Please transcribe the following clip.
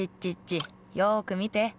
よく見て。